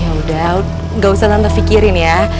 ya udah gak usah tante fikirin ya